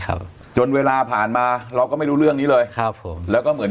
ครับจนเวลาผ่านมาเราก็ไม่รู้เรื่องนี้เลยครับผมแล้วก็เหมือน